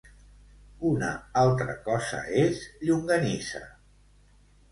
Una altra cosa és llonganissa.